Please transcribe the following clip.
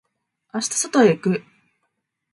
明日外へ行く。